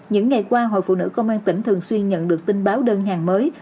những ngày qua hội phụ nữ công an tỉnh thường xuyên nhận được tin báo đơn hàng mới